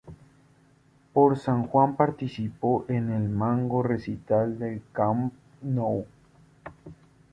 Por San Juan participó en el magno recital del Camp Nou.